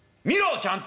ちゃんと。